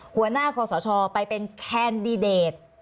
หัวหน้าคอสชไปเป็นแคนดิเดต